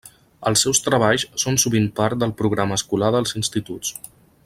Els seus treballs són sovint part del programa escolar dels instituts.